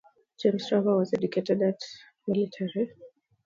James Travers was educated at Addiscombe Military Seminary.